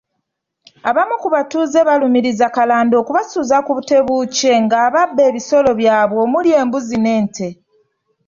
Abamu ku batuuze baalumirizza Kalanda okubasuza ku tebuukye ng'abba ebisolo byabwe omuli embuzi n'ente.